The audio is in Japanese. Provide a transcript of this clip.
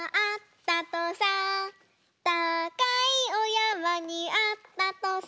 たかいおやまにあったとさ」